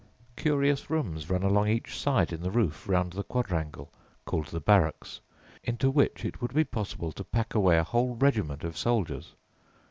Curious rooms run along each side in the roof round the quadrangle, called "the barracks," into which it would be possible to pack away a whole regiment of soldiers.